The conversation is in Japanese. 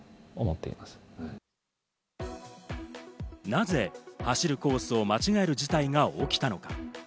なぜ走るコースを間違える事態が起きたのか？